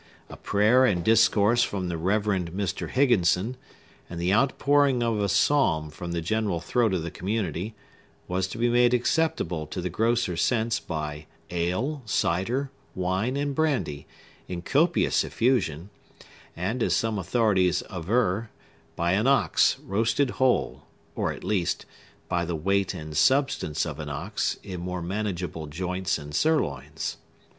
A prayer and discourse from the Rev. Mr. Higginson, and the outpouring of a psalm from the general throat of the community, was to be made acceptable to the grosser sense by ale, cider, wine, and brandy, in copious effusion, and, as some authorities aver, by an ox, roasted whole, or at least, by the weight and substance of an ox, in more manageable joints and sirloins.